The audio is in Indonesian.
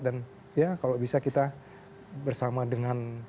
dan ya kalau bisa kita bersama dengan